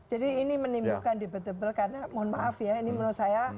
jadi ini menimbulkan debat debat karena mohon maaf ya ini menurut saya